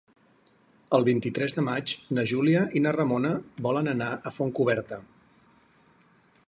El vint-i-tres de maig na Júlia i na Ramona volen anar a Fontcoberta.